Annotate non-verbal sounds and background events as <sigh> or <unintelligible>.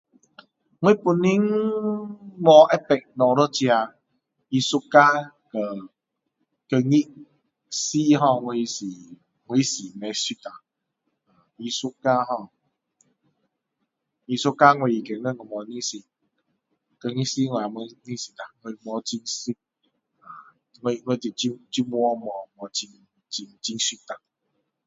我本身,无知道那个艺术家和 <unintelligible> 我实，我实不熟啦。艺术家哦，艺术家我觉得我无认识 <unintelligible> 我无很熟，我我真真现在无无很很熟啦。